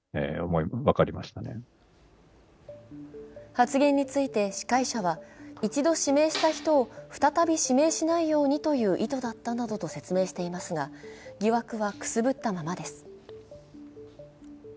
発言について司会者は、一度指名した人を再び指名しないようにという意図だったなどと説明していますが疑惑はくすぶったままです。